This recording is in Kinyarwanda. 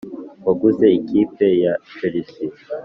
waguze ikipe ya chelsea,